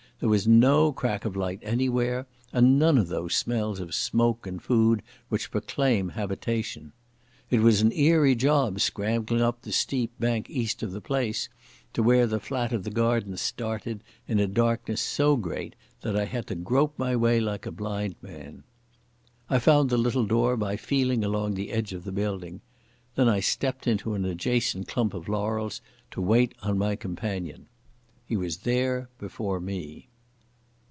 There was no crack of light anywhere, and none of those smells of smoke and food which proclaim habitation. It was an eerie job scrambling up the steep bank east of the place, to where the flat of the garden started, in a darkness so great that I had to grope my way like a blind man. I found the little door by feeling along the edge of the building. Then I stepped into an adjacent clump of laurels to wait on my companion. He was there before me.